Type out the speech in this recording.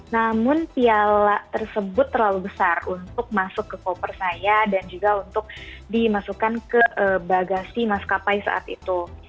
namun piala tersebut terlalu besar untuk masuk ke koper saya dan juga untuk dimasukkan ke bagasi maskapai saat itu